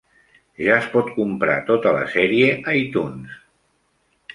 Ja es pot comprar tota la sèrie a iTunes.